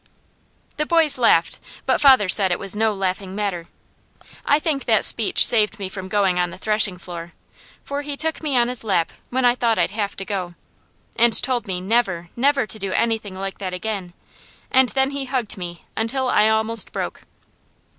The boys laughed, but father said it was no laughing matter. I think that speech saved me from going on the threshing floor, for he took me on his lap when I thought I'd have to go, and told me never, never to do anything like that again, and then he hugged me until I almost broke.